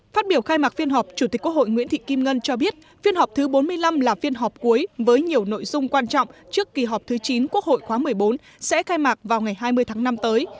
phát biểu khai mạc phiên họp chủ tịch quốc hội nguyễn thị kim ngân cho biết phiên họp thứ bốn mươi năm là phiên họp cuối với nhiều nội dung quan trọng trước kỳ họp thứ chín quốc hội khóa một mươi bốn sẽ khai mạc vào ngày hai mươi tháng năm tới